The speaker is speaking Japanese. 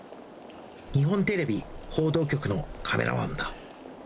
日本テレビ報道局のカメラマンだ。